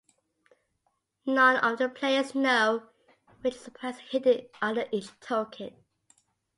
None of the players know which surprise is hidden under each token.